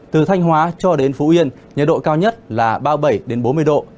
từ thanh hóa cho đến phú yên nhiệt độ cao nhất là ba mươi bảy bốn mươi độ